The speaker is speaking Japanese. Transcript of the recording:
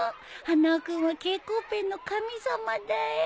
花輪君は蛍光ペンの神様だよ。